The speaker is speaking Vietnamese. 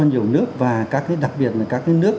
nhiều nước và các cái đặc biệt là các cái nước